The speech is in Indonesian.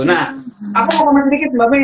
nah aku mau ngomong sedikit mbak may